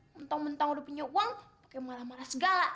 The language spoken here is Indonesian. mentang mentang udah punya uang pakai marah marah segala